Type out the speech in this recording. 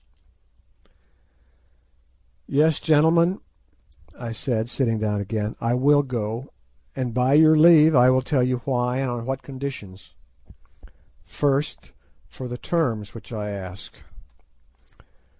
"Yes, gentlemen," I said, sitting down again, "I will go, and by your leave I will tell you why, and on what conditions. First for the terms which I ask.